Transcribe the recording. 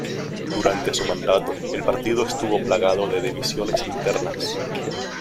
Durante su mandato, el partido estuvo plagado de divisiones internas.